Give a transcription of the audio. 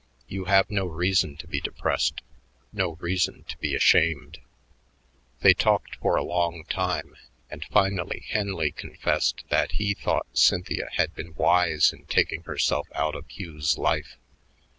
You have no reason to be depressed, no reason to be ashamed." They talked for a long time, and finally Henley confessed that he thought Cynthia had been wise in taking herself out of Hugh's life.